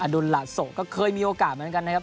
ดุลลาโสก็เคยมีโอกาสเหมือนกันนะครับ